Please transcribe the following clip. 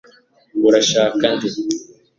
urashaka nde